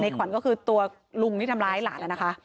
ขวัญก็คือตัวลุงที่ทำร้ายหลานนะคะ